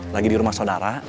lagi di rumah saudara